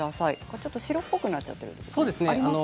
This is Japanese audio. ちょっと白っぽくなっちゃっているのありますか？